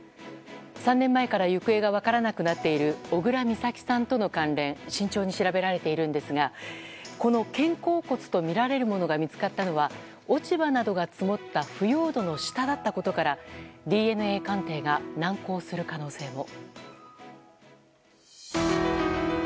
３年前から行方が分からなくなっている小倉美咲さんとの関連慎重に調べられているんですがこの肩甲骨とみられるものが見つかったのは落ち葉などが積もった腐葉土の下だったことからＤＮＡ鑑定が難航する可能性も。